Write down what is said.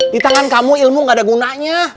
di tangan kamu ilmu gak ada gunanya